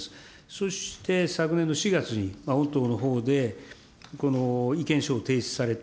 そして昨年の４月に、御党の方で意見書を提出された。